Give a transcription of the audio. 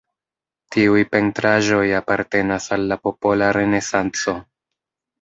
Tiuj pentraĵoj apartenas al la popola renesanco.